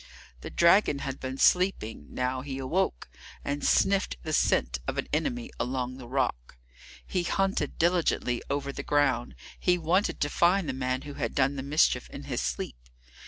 The dragon had been sleeping, now he awoke, and sniffed the scent of an enemy along the rock. He hunted diligently over the ground; he wanted to find the man who had done the mischief in his sleep.